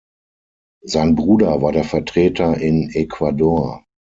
Sein Bruder war der Vertreter in Ecuador.